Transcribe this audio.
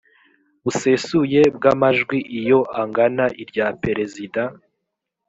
busesuye bw amajwi iyo angana irya perezida